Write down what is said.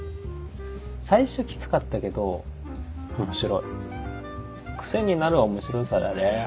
最初キツかったけど面白い癖になる面白さだね